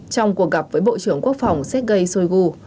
trong cuộc gặp với bộ trưởng quốc phòng sergei shoigu